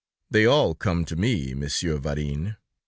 They all come to me, Monsieur Varin.